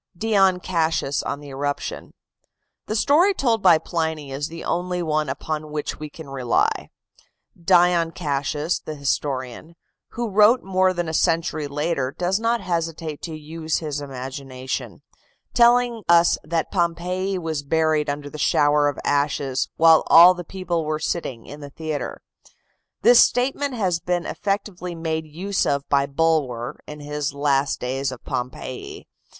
DION CASSIUS ON THE ERUPTION The story told by Pliny is the only one upon which we can rely. Dion Cassius, the historian, who wrote more than a century later, does not hesitate to use his imagination, telling us that Pompeii was buried under showers of ashes "while all the people were sitting in the theatre." This statement has been effectively made use of by Bulwer, in his "Last Days of Pompeii."